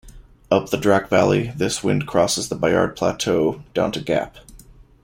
Up the Drac Valley, this wind crosses the Bayard plateau down to Gap.